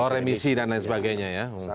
remisi dan lain sebagainya